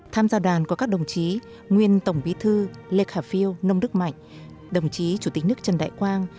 tham gia đoàn có các đồng chí nguyên tổng bí thư lê khả phiêu nông đức mạnh đồng chí chủ tịch nước trần đại quang